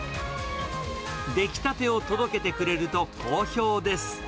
出来たてを届けてくれると好評です。